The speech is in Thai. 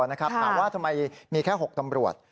ถามว่าทำไมมีแค่๖ตำรวจ